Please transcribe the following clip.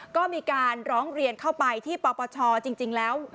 ก็มีการร้องเรียนเข้าไปที่ปปชจริงแล้ว